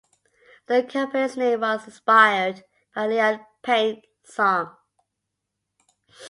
The company's name was inspired by a Leon Payne song.